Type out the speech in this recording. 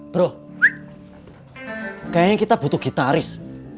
bro kayaknya kita butuh gitaris